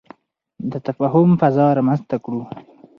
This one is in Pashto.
د تفاهم فضا رامنځته کړو.